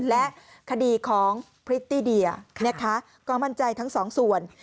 และคดีของพริตตี้เดียนะคะก็มั่นใจทั้งสองส่วน